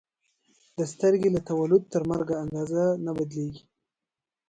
سترګې له تولد تر مرګ اندازه نه بدلېږي.